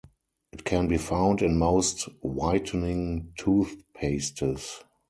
It can be found in most whitening toothpastes.